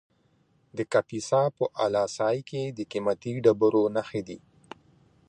د کاپیسا په اله سای کې د قیمتي ډبرو نښې دي.